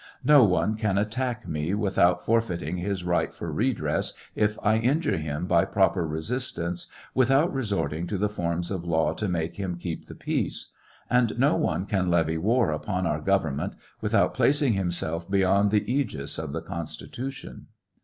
No one can attack me without forfeiting his right for redress if I injure him by proper resistance without resort ing to the forms of law to make him keep the peace ; and no one can levy war upon our government without placing himself beyond the segis of the Constitution.